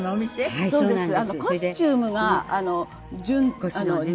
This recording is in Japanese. はいそうなんです。